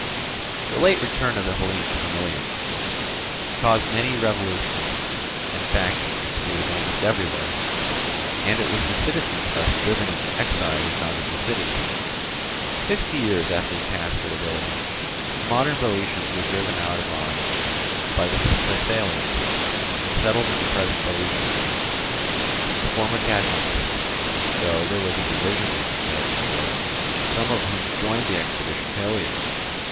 The late return of the Hellenes from Ilium caused many revolutions, and factions ensued almost everywhere; and it was the citizens thus driven into exile who founded the cities. Sixty years after the capture of Ilium, the modern Boeotians were driven out of Arne by the Thessalians, and settled in the present Boeotia, the former Cadmeis; though there was a division of them there before, some of whom joined the expedition to Ilium.